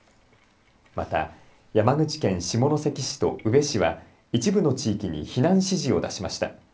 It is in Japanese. また、山口県下関市と宇部市は一部の地域に避難指示を出しました。